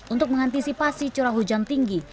untuk mengantisipasi curah hujan tinggi